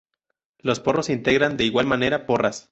Los porros integran de igual manera porras.